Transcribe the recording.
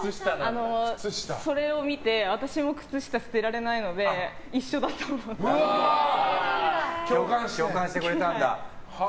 それを見て私も靴下捨てられないので共感してくれたんだ。